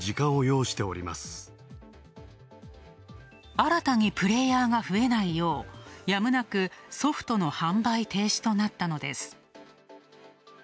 新たにプレイヤーが増えないよう、やむなく、ソフトの販売停止となったのです。